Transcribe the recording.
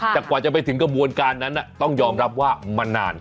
แต่กว่าจะไปถึงกระบวนการนั้นต้องยอมรับว่ามันนาน